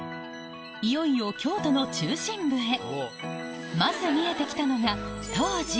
いよいよ京都の中心部へまず見えてきたのが東寺